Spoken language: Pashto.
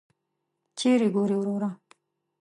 چیري ګورې وروره !